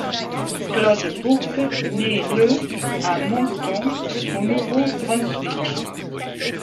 Claude Bourque naît le à Moncton, au Nouveau-Brunswick.